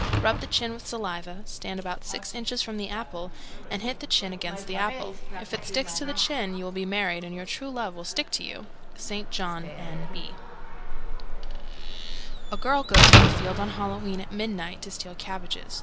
Rub the chin with saliva, stand about six inches from the apple, and hit the chin against the apple. If it sticks to the chin, you will be married, and your true love will stick to you. St. John, N.B. 305. A girl goes to a field on Halloween at midnight to steal cabbages.